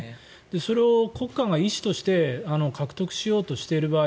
それを国家が意思として獲得しようとしている場合